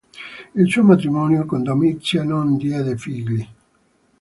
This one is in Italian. Il suo matrimonio con Domizia non diede figli.